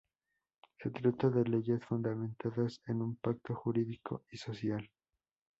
Se trata de leyes fundamentadas en un pacto jurídico y social.